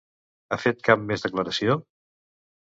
Ha fet cap més declaració?